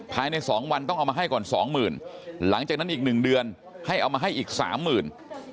ภายใน๒วันต้องเอามาให้ก่อนสองหมื่นหลังจากนั้นอีกหนึ่งเดือนให้เอามาให้อีกสามหมื่น